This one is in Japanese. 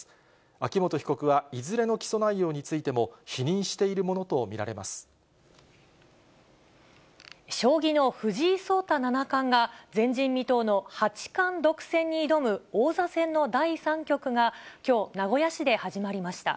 秋本被告はいずれの起訴内容についても否認しているものと見られ将棋の藤井聡太七冠が、前人未到の八冠独占に挑む王座戦の第３局がきょう、名古屋市で始まりました。